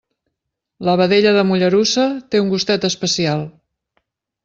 La vedella de Mollerussa té un gustet especial.